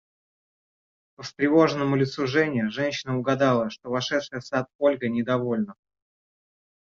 По встревоженному лицу Жени женщина угадала, что вошедшая в сад Ольга недовольна.